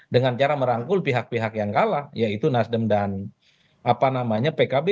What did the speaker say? dengan cara merangkul pihak pihak yang kalah yaitu nasdem dan pkb